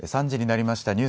３時になりました。